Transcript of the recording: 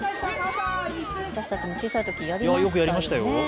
私たちも小さいときよくやりましたよね。